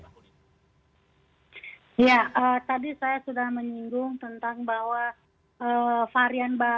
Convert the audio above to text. ya tadi saya sudah menyinggung tentang bahwa